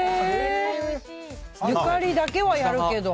ゆかりだけはやるけど。